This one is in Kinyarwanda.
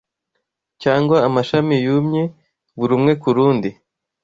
cyangwa amashami yumye, Buri umwe kurundi